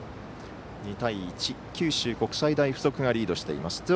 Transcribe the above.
２対１、九州国際大付属がリードしています。